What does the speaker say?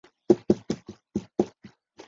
撒拉更怂其赶走夏甲母子。